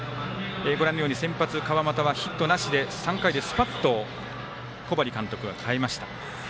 先発、川又はヒットなしで３回ですぱっと小針監督が代えました。